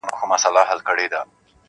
• خو یوه ورځ به درته په کار سم -